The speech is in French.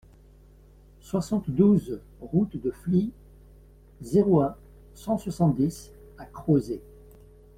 soixante-douze route de Flies, zéro un, cent soixante-dix à Crozet